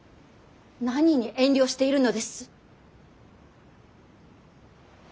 何に遠慮しているのです。